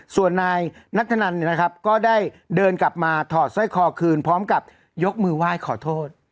ส่วนนายนัทธนันเนี่ยนะครับก็ได้เดินกลับมาถอดสร้อยคอคืนพร้อมกับยกมือไหว้ขอโทษ